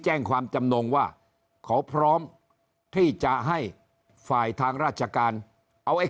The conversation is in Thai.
แจ้งความจำนงว่าเขาพร้อมที่จะให้ฝ่ายทางราชการเอาไอ้